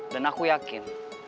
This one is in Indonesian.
dan aku yakin